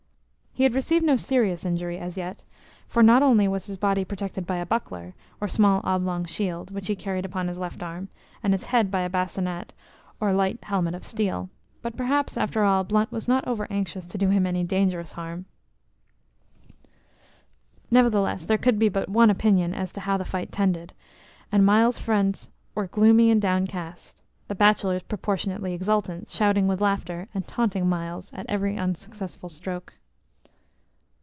He had received no serious injury as yet, for not only was his body protected by a buckler, or small oblong shield, which he carried upon his left arm, and his head by a bascinet, or light helmet of steel, but perhaps, after all, Blunt was not over anxious to do him any dangerous harm. Nevertheless, there could be but one opinion as to how the fight tended, and Myles's friends were gloomy and downcast; the bachelors proportionately exultant, shouting with laughter, and taunting Myles at every unsuccessful stroke.